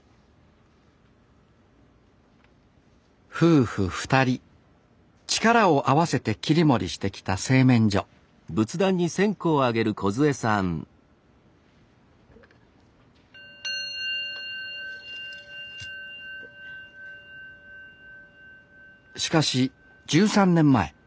夫婦２人力を合わせて切り盛りしてきた製麺所しかし１３年前。